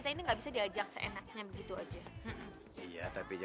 kenapa laughter if be